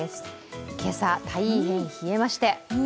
今朝、大変冷えまして。